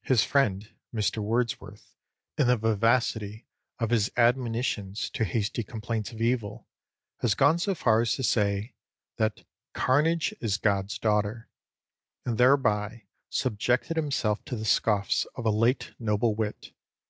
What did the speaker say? His friend Mr Wordsworth, in the vivacity of his admonitions to hasty complaints of evil, has gone so far as to say that "Carnage is God's daughter," and thereby subjected himself to the scoffs of a late noble wit.